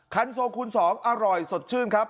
คันโซคูณ๒อร่อยสดชื่นครับ